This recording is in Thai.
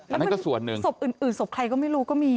อันนั้นก็ส่วนหนึ่งศพอื่นศพใครก็ไม่รู้ก็มี